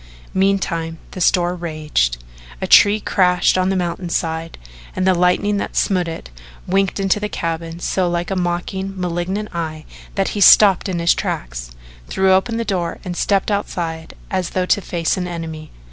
Meantime the storm raged. A tree crashed on the mountainside and the lightning that smote it winked into the cabin so like a mocking, malignant eye that he stopped in his tracks, threw open the door and stepped outside as though to face an enemy.